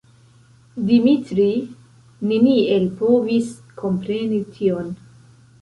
Dimitri neniel povis kompreni tion.